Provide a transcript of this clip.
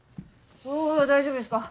お大丈夫ですか？